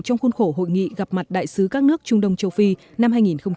cổ hội nghị gặp mặt đại sứ các nước trung đông châu phi năm hai nghìn một mươi chín